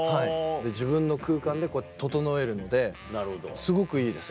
自分の空間で整えるのですごくいいです。